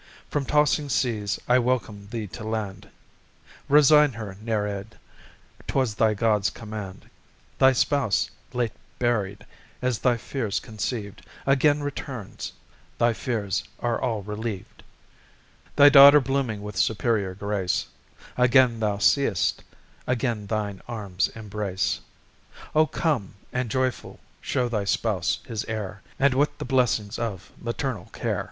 From tossing seas I welcome thee to land. "Resign her, Nereid," 'twas thy God's command. Thy spouse late buried, as thy fears conceiv'd, Again returns, thy fears are all reliev'd: Thy daughter blooming with superior grace Again thou see'st, again thine arms embrace; O come, and joyful show thy spouse his heir, And what the blessings of maternal care!